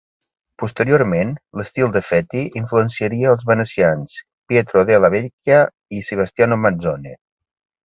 Posteriorment, l'estil de Fetti influenciaria els venecians Pietro della Vecchia i Sebastiano Mazzone.